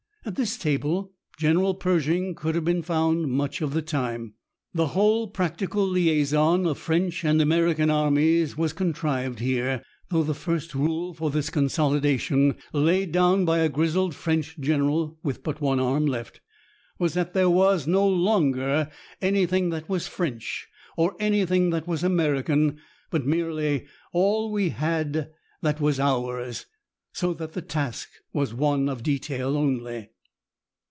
At this table General Pershing could have been found much of the time. The whole practical liaison of French and American Armies was contrived here, though the first rule for this consolidation laid down by a grizzled French general with but one arm left, was that "there was no longer anything that was French, or anything that was American, but merely all we had that was 'ours,'" so that the task was one of detail only.